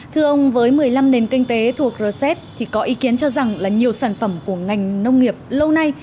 thưa ông với một mươi năm nền kinh tế thuộc rcep thì có ý kiến cho rằng là nhiều sản phẩm của ngành nông nghiệp lâu nay